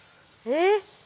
えっ。